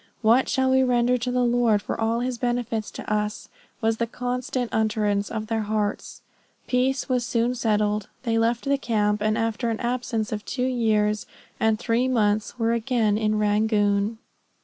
"What shall we render to the Lord for all his benefits to us," was the constant utterance of their hearts. Peace was soon settled; they left the camp, and after an absence of two years and three months were again in Rangoon.